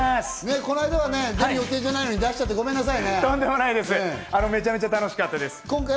この間は出る予定じゃないのに、出しちゃってごめんなさい。